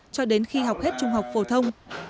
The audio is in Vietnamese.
cho đến khi học hết trung học phổ thông